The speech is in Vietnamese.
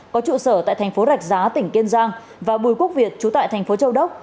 có trụ sở tại thành phố rạch giá tỉnh kiên giang và bùi quốc việt trú tại thành phố châu đốc